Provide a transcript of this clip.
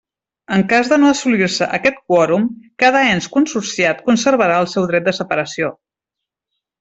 En cas de no assolir-se aquest quòrum, cada ens consorciat conservarà el seu dret de separació.